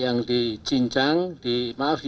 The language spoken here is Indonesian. tapi kita harus tarik memori